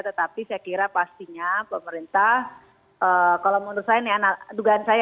tetapi saya kira pastinya pemerintah kalau menurut saya ini anak dugaan saya